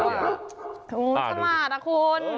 สนาดนะคุณ